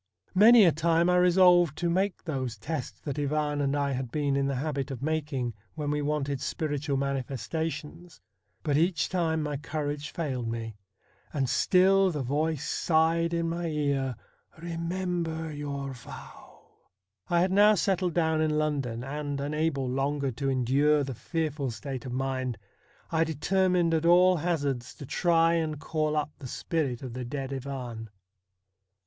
Many a time I resolved to make those tests that Ivan and I had been in the habit of making when we wanted spiritual manifestations, but each time my courage failed me, and still the voice sighed in my ear, ' Eemember your vow !' I had now settled down in London, and, unable longer to endure the fearful state of mind, I determined at all hazards to try and call up the spirit of the dead Ivan.